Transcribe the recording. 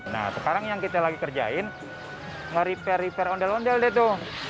nah sekarang yang kita lagi kerjain nge repair repair ondel ondel deh tuh